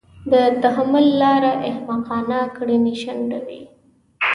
د تحمل لاره احمقانه کړنې شنډوي.